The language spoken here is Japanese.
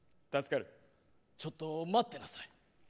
ちょっと待ってなさい。